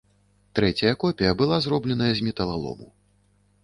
Трэцяя копія была зробленая з металалому.